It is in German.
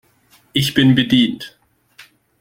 Ich bin bedient.